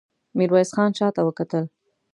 ميرويس خان شاته وکتل.